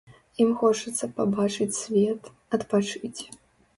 Ім хочацца пабачыць свет, адпачыць.